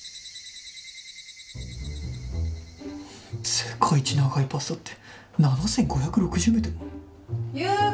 ・世界一長いパスタって７，５６０メートルもあんの？